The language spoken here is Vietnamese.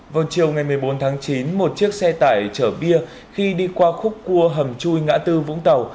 vào chiều ngày một mươi bốn tháng chín một chiếc xe tải chở bia khi đi qua khúc cua hầm chui ngã tư vũng tàu